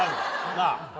なあ！